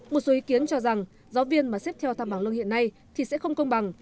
một số ý kiến cho rằng giáo viên mà xếp theo tham bảng lương hiện nay thì sẽ không công bằng